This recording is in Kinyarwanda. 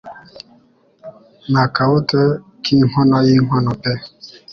N'akabuto k'inkono y'inkoko pe